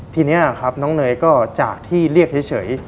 ทีนี้ครับน้องเนยก็จากที่เรียกเฉย